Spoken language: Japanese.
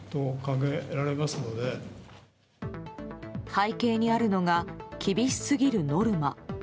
背景にあるのが厳しすぎるノルマ。